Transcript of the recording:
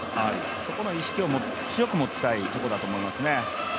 そこの意識を強く持ちたいところだと思いますね。